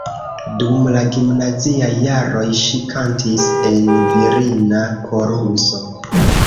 Dum la gimnaziaj jaroj ŝi kantis en virina koruso.